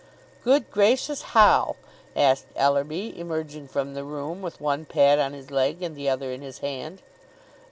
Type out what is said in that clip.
"Good gracious! How?" asked Ellerby, emerging from the room with one pad on his leg and the other in his hand.